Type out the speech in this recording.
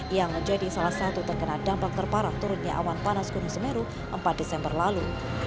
yang menjadi salah satu terkena dampak terparah turunnya awan panas gunung semeru empat desember lalu